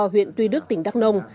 huyện tuy đức tỉnh đắk nông